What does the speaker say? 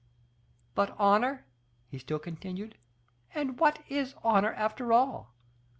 But honor?" he still continued, "and what is honor after all?